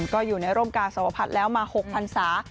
ก็อยู่ในโรงกาสวพัฒน์แล้วมา๖๐๐๐ศาสตร์